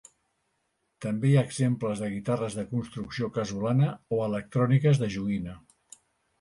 També hi ha exemples de guitarres de construcció casolana o electròniques de joguina.